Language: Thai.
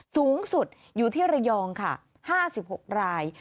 สูงสุดอยู่ที่ระยองค่ะ๕๖ราย